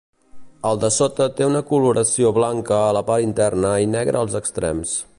Al dessota té una coloració blanca a la part interna i negra als extrems.